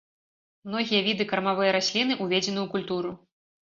Многія віды кармавыя расліны, уведзены ў культуру.